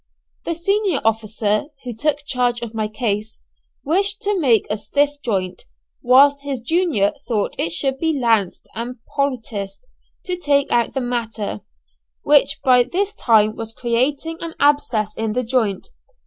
The senior officer, who took charge of my case, wished to make a stiff joint, whilst his junior thought it should be lanced and poulticed, to take out the matter, which by this time was creating an abscess in the joint.